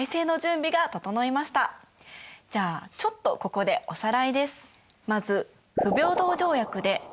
じゃあちょっとここでおさらいです。